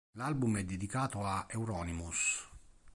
L'album è dedicato a Euronymous.